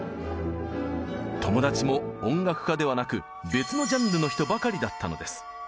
友達も音楽家ではなく別のジャンルの人ばかりだったのです。